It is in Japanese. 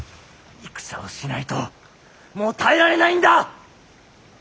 戦をしないともう耐えられないんだ！